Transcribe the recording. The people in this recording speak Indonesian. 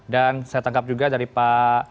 dan saya tangkap juga dari pak